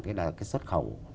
thế là cái xuất khẩu